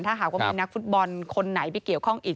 ถ้าหากว่ามีนักฟุตบอลคนไหนไปเกี่ยวข้องอีก